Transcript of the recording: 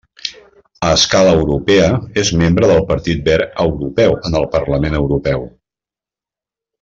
A escala europea, és membre del Partit Verd Europeu en el Parlament Europeu.